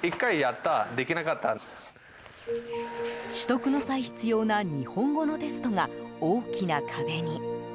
取得の際、必要な日本語のテストが大きな壁に。